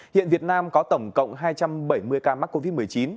hiện việt nam có tổng cộng hai trăm bảy mươi ca mắc covid một mươi chín